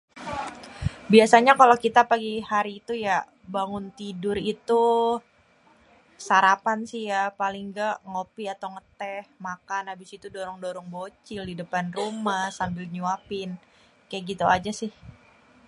Biasanya kalau kita pagi hari itu ya, bangun tidur itu... sarapan sih ya, paling nggak ngopi atau ngeteh, makan, habis itu dorong-dorong bocil di depan rumah sambil nyuapin. Kayak gitu aja, sih.